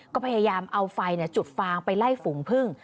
ก็พยายามเอาไฟจุดฟางไปไล่ฝูงพึ่ง